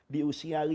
di usia lima